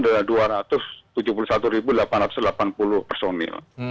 ada dua ratus tujuh puluh satu delapan ratus delapan puluh personil